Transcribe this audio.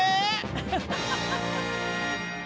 ハハハハハ！